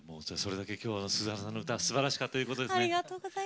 それだけ、きょうは鈴華さんの歌はすばらしかったということですね。